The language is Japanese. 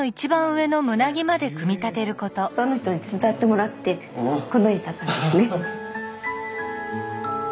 たくさんの人に手伝ってもらってこの家建ったんですね。